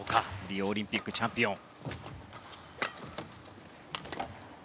リオオリンピックチャンピオン。